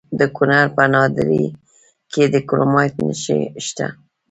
د کونړ په ناړۍ کې د کرومایټ نښې شته.